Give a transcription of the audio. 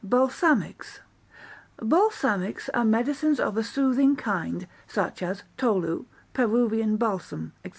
Balsamics Balsamics are medicines of a soothing kind, such as tolu, Peruvian balsam, &c.